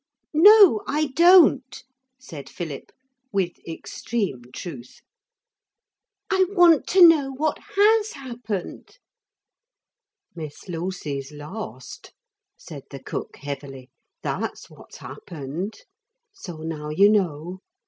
'No, I don't,' said Philip, with extreme truth. 'I want to know what has happened?' 'Miss Lucy's lost,' said the cook heavily, 'that's what's happened. So now you know.